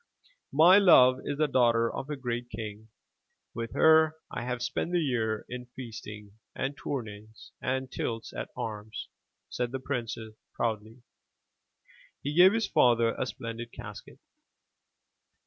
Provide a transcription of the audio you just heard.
*' My love is the daughter of a great king. With her I have spent the year in feasting and tourneys and tilts at arms,*' said the prince proudly, and he gave his father a splendid casket.